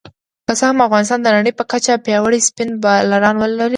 که څه هم افغانستان د نړۍ په کچه پياوړي سپېن بالران لري